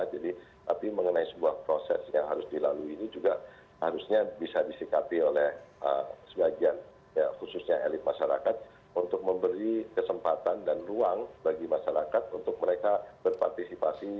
tapi mengenai sebuah proses yang harus dilalui ini juga harusnya bisa disikapi oleh sebagian khususnya elit masyarakat untuk memberi kesempatan dan ruang bagi masyarakat untuk mereka berpartisipasi